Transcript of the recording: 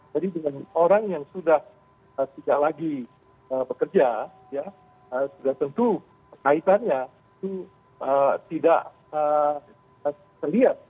jadi dengan orang yang sudah tidak lagi bekerja sudah tentu kaitannya itu tidak terlihat